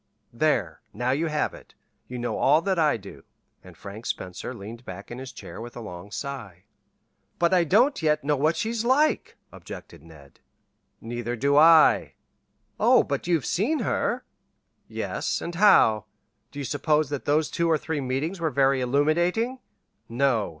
There! now you have it. You know all that I do." And Frank Spencer leaned back in his chair with a long sigh. "But I don't know yet what she's like," objected Ned. "Neither do I." "Oh, but you've seen her." "Yes; and how? Do you suppose that those two or three meetings were very illuminating? No.